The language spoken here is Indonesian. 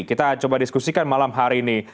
kita coba diskusikan malam hari ini